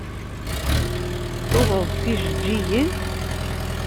Tuɣeḍ-d tijeǧǧigin?